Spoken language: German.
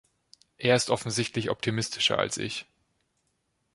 Er ist offensichtlich optimistischer als ich.